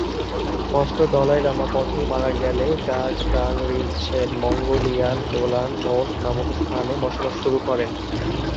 ষষ্ঠ দলাই লামা পথেই মারা গেলেও ঙ্গাগ-দ্বাং-রিন-ছেন মঙ্গোলিয়ার দোলোন-নোর নামক স্থানে বসবাস শুরু করেন।